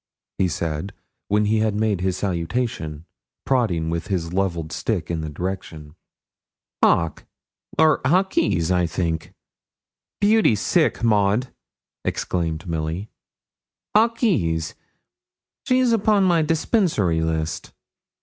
he said, when he had made his salutation, prodding with his levelled stick in the direction. 'Hawke, or Hawkes, I think.' 'Beauty's sick, Maud,' exclaimed Milly. 'Hawkes. She's upon my dispensary list.